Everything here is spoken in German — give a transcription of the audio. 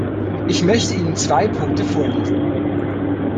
Ich möchte Ihnen zwei Punkte vorlesen.